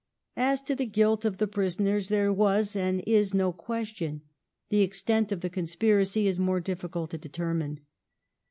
As to the guilt of the prisoners there was and is no question ; the ex tent of the conspiracy is more difficult to determine.